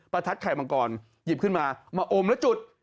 ทัดไข่มังกรหยิบขึ้นมามาอมแล้วจุด